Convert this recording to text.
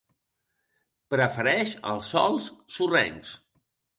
Prefereix els sòls sorrencs.